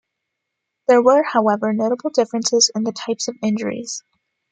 There were, however, notable differences in the types of injuries.